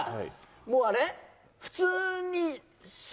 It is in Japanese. もうあれ？